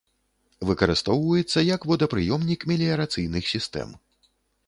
Выкарыстоўваецца як водапрыёмнік меліярацыйных сістэм.